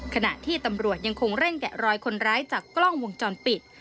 ขณะที่ตำรวจยังคงเร่งแกะรอยคนร้ายจากกล้องวงจรปิด